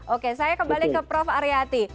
oke saya kembali ke prof aryati